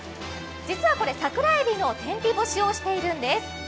実はこれさくらえびの天日干しをしているんです。